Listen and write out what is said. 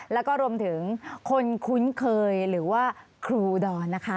แล้วก็รวมถึงคนคุ้นเคยหรือว่าครูดอนนะคะ